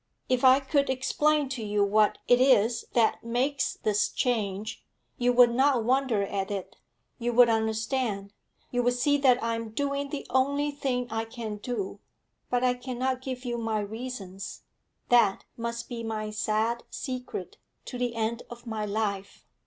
If I could explain to you what it is that makes this change, you would not wonder at it, you would understand, you would see that I am doing the only thing I can do. But I cannot give you my reasons; that must be my sad secret to the end of my life.